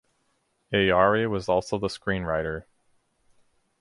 Ayari was also the screenwriter.